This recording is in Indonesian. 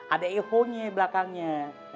ada ikhonya belakangnya